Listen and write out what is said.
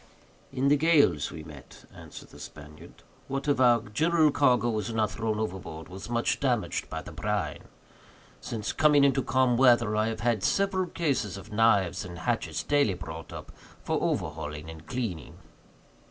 "In the gales we met," answered the Spaniard, "what of our general cargo was not thrown overboard was much damaged by the brine. Since coming into calm weather, I have had several cases of knives and hatchets daily brought up for overhauling and cleaning."